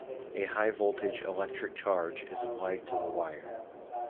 A high-voltage electric charge is applied to the wire.